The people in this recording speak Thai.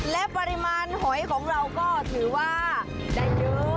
และปริมาณหอยของเราก็ถือว่าได้เยอะ